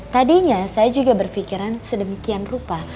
tadinya saya juga berpikiran sedemikian rupa